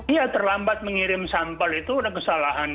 iya terlambat mengirim sampel itu sudah kesalahan